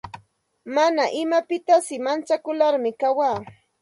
Mana imapitasi manchakularmi kawaa.